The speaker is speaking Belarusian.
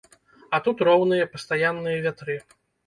А тут роўныя, пастаянныя вятры.